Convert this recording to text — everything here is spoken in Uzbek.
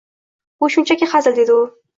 — Bu shunchaki hazil, — dedi u.